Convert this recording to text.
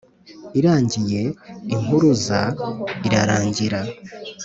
Irangiye "Impuruza" irarangira